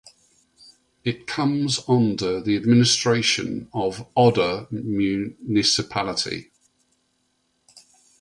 It comes under the administration of Odder municipality.